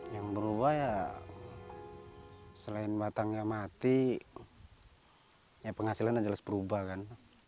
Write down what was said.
yang berubah ya selain batangnya mati ya penghasilan jelas berubah kan